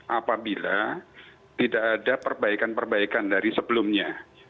apabila tidak ada perbaikan perbaikan dari sebelumnya